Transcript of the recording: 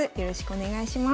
お願いします。